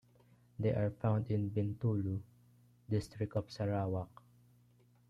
They are found in Bintulu district of Sarawak.